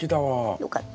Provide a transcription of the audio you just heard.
よかった。